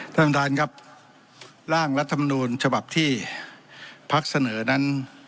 ท่านประธานครับร่างรัฐมนูลฉบับที่พักเสนอนั้น